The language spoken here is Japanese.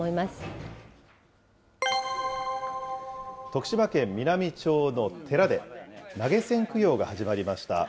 徳島県美波町の寺で、投げ銭供養が始まりました。